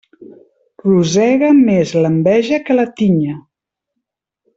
Rosega més l'enveja que la tinya.